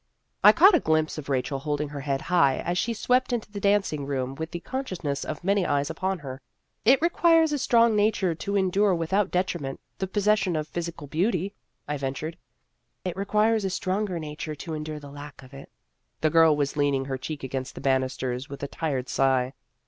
I caught a glimpse of Rachel holding her head high as she swept into the danc ing room with the consciousness of many eyes upon her. " It requires a strong nature to endure, without detriment, the possession of phys ical beauty," I ventured. " It requires a stronger nature to en dure the lack of it." The girl was leaning her cheek against the banisters with a tired sigh.